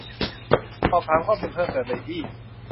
สอบถามข้อมูลเพิ่มเติมได้ที่